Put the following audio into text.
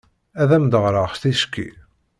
Ad am-d-ɣreɣ ticki.